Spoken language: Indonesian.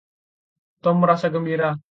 Tom merasa gembira.